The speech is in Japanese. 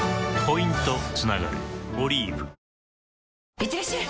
いってらっしゃい！